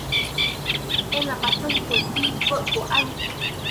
Em là bạn thân của Nhi vợ của anh